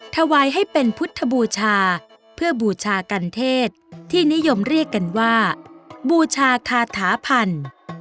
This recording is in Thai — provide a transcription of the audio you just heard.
ถวายให้เป็นพุทธบูชาเพื่อบูชากันเทศที่นิยมเรียกกันว่าบูชาคาถาพันธุ์